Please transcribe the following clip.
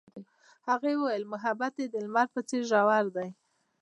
هغې وویل محبت یې د لمر په څېر ژور دی.